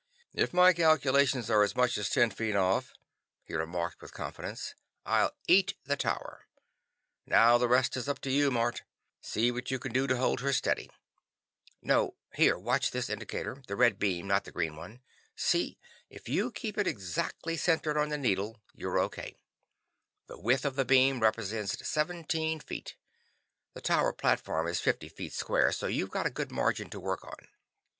"If my calculations are as much as ten feet off," he remarked with confidence, "I'll eat the tower. Now the rest is up to you, Mort. See what you can do to hold her steady. No here, watch this indicator the red beam, not the green one. See if you keep it exactly centered on the needle, you're O.K. The width of the beam represents seventeen feet. The tower platform is fifty feet square, so we've got a good margin to work on."